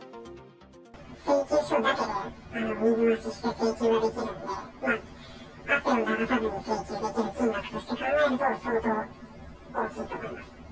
請求書だけで水増しして請求ができるんで、汗を流さずに請求できる金額として考えると、相当大きいと思います。